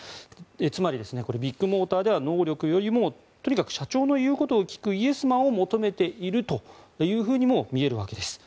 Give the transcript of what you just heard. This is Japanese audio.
つまりビッグモーターでは能力よりもとにかく社長の言うことを聞くイエスマンを求めているというふうにも見えるわけです。